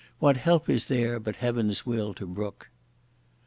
What help is there, but Heaven's will to brook?